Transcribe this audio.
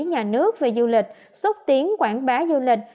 nhà nước về du lịch xúc tiến quảng bá du lịch